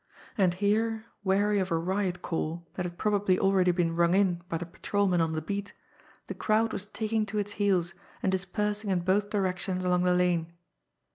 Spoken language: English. And here, wary of a riot call that had probably already been rung in by the patrolman on the beat, the crowd was taking to its heels and dispersing in both directions along the lane.